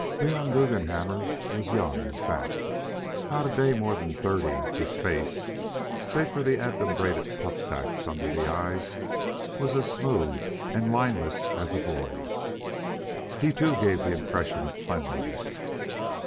Leon Guggenhammer was young and fat. Not a day more than thirty, his face, save for the adumbrated puff sacks under the eyes, was as smooth and lineless as a boy's. He, too, gave the impression of cleanness.